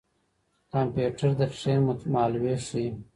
کمپيوټر د ټرېن مهالوېش ښيي.